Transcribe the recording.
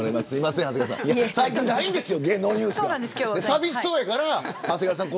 寂しそうだから長谷川さん